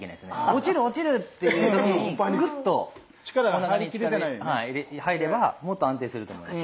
「落ちる落ちる！」っていう時にグッとおなかに力入ればもっと安定すると思います。